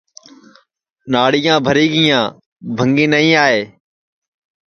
ناݪیاں بھری گیا بھنٚگی نائی آئے